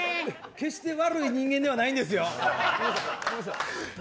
決して悪い人間ではないんですよ。